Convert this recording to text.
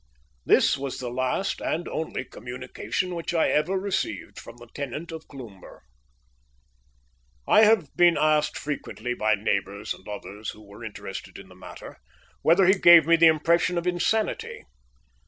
This was the last and only communication which I ever received from the tenant of Cloomber. I have been asked frequently by neighbours and others who were interested in the matter whether he gave me the impression of insanity.